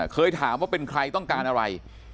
เคยถามว่าเป็นใครต้องการอะไร